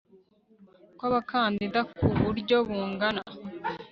kw abakandida ku buryo bungana